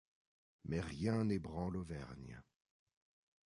Mais rien n'ébranle Auvergne.